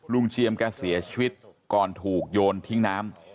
เจียมแกเสียชีวิตก่อนถูกโยนทิ้งน้ำ